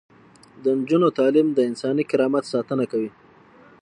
د نجونو تعلیم د انساني کرامت ساتنه کوي.